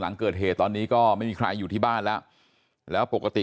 หลังเกิดเหตุตอนนี้ก็ไม่มีใครอยู่ที่บ้านแล้วแล้วปกติ